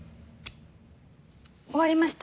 終わりました。